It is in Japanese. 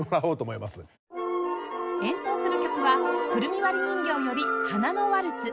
演奏する曲は『くるみ割り人形』より『花のワルツ』